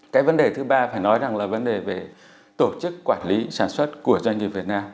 cái vấn đề thứ ba phải nói rằng là vấn đề về tổ chức quản lý sản xuất của doanh nghiệp việt nam